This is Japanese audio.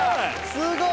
すごい！